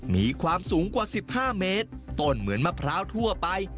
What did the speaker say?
มีความสูงกว่า๑๕เมตรต้นเหมือนมะพร้าวทั่วไป